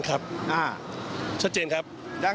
ผิวเมื่อก๕๔ปี๒๒น